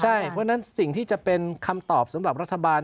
เพราะฉะนั้นสิ่งที่จะเป็นคำตอบสำหรับรัฐบาล